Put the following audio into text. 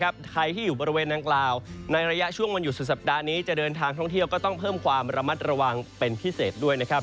ใครที่อยู่บริเวณนางกล่าวในระยะช่วงวันหยุดสุดสัปดาห์นี้จะเดินทางท่องเที่ยวก็ต้องเพิ่มความระมัดระวังเป็นพิเศษด้วยนะครับ